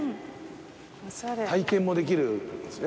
体験もできるんですね